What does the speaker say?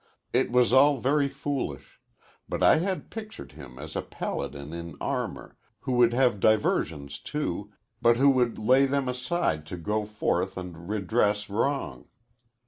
It was all very foolish, but I had pictured him as a paladin in armor, who would have diversions, too, but who would lay them aside to go forth and redress wrong.